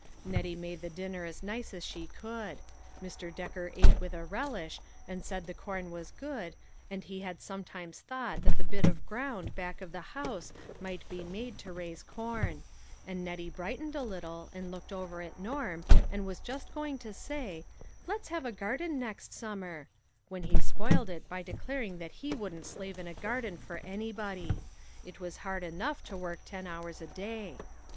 Nettie made the dinner as nice as she could. Mr. Decker ate with a relish, and 192 LITTLE FISHERS: AND THEIR NETS. said the corn was good, and he had sometimes thought that the bit of ground back of the house might be made to raise corn ; and Nettie brightened a little, and looked over at Norm O ' and was just going to say, "Let's have a gar den next summer," when he spoiled it by declaring that he wouldn't slave in a garden for anybody. It was hard enough to work ten hours a day.